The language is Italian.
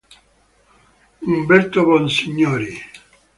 Umberto Bonsignori